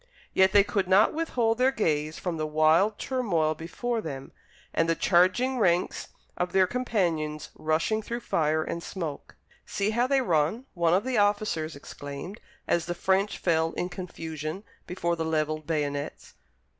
Yet they could not withhold their gaze from the wild turmoil before them, and the charging ranks of their companions rushing through fire and smoke. "See how they run," one of the officers exclaimed, as the French fell in confusion before the levelled bayonets.